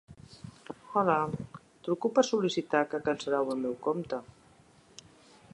Hola, truco per sol·licitar que cancel·leu el meu compte.